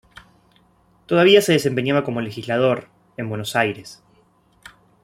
Todavía se desempeñaba como legislador, en Buenos Aires.